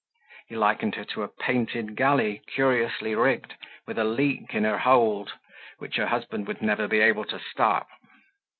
He likened her to a painted galley, curiously rigged, with a leak in her hold, which her husband would never be able to stop.